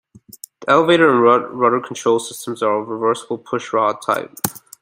The elevator and rudder control systems are of reversible push-rod type.